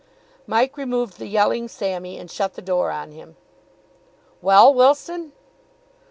Mike removed the yelling Sammy and shut the door on him. "Well, Wilson?"